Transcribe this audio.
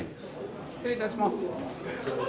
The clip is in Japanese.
失礼いたします。